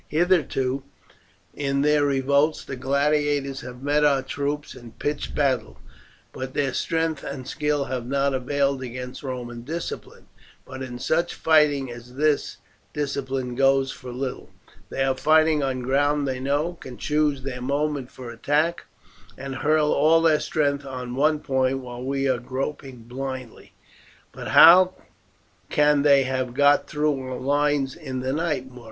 Hitherto in their revolts the gladiators have met our troops in pitched battle, but their strength and skill have not availed against Roman discipline. But in such fighting as this discipline goes for little. They are fighting on ground they know, can choose their moment for attack, and hurl all their strength on one point while we are groping blindly." "But how can they have got through our lines in the night, Muro?"